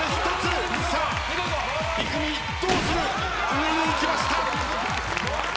上にいきました。